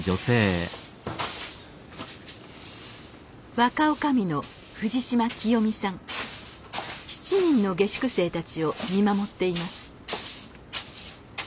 若おかみの７人の下宿生たちを見守っています。